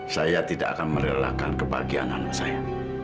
saya tidak akan merelakan kebahagiaan anak saya